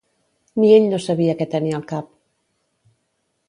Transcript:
Ni ell no sabia què tenia al cap!